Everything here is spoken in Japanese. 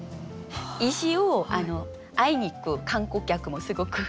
石を会いに行く観光客もすごく。